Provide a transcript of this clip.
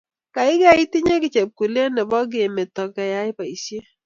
Keikei itinye chepkulet nebo kemeto keyai boisiet